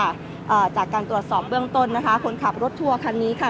อ่าจากการตรวจสอบเบื้องต้นนะคะคนขับรถทัวร์คันนี้ค่ะ